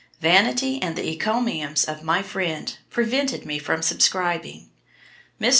Vanity, and the encomiums of my friend, prevented me from subscribing. Mr.